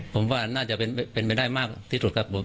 ผมว่าน่าจะเป็นไปได้มากที่สุดครับผม